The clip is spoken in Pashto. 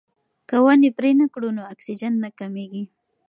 که ونې پرې نه کړو نو اکسیجن نه کمیږي.